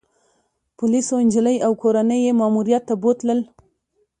پولیسو انجلۍ او کورنۍ يې ماموریت ته بوتلل